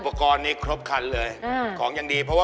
อุปกรณ์นี้ครอบคันเลยของดีเลย